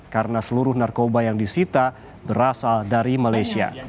karena seluruh narkoba yang disita berasal dari malaysia